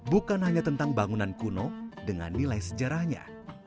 bukan hanya tentang bangunan kuno dengan nilai sejarahnya